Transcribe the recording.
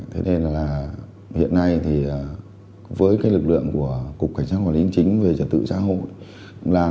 thế nên là hiện nay thì với lực lượng của cục cảnh sát quản lý chính về trật tự xã hội